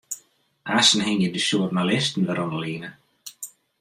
Aansten hingje de sjoernalisten wer oan 'e line.